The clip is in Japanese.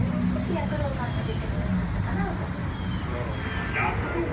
が出てもよかったかなと思います。